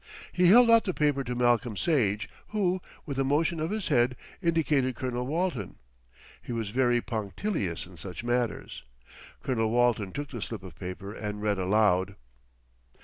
He held out the paper to Malcolm Sage, who, with a motion of his head, indicated Colonel Walton. He was very punctilious in such matters. Colonel Walton took the slip of paper and read aloud.